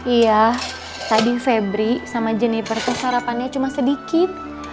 iya tadi febri sama jeniper kesarapannya cuma sedikit